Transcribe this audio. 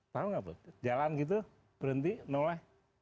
tahu gak buet jalan gitu berhenti noleh